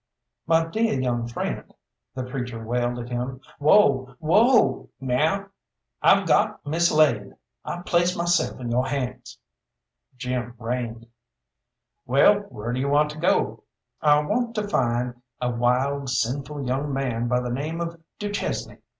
"My deah young friend," the preacher wailed at him. "Whoa! Whoa, now! I've got mislaid! I place myself in yo' hands." Jim reined. "Well, where do you want to go?" "I want to find a wild, a sinful young man by the name of du Chesnay.